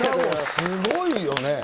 すごいよね。